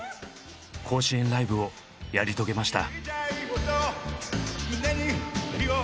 甲子園ライブをやり遂げました。